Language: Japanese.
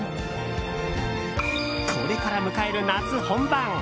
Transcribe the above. これから迎える夏本番。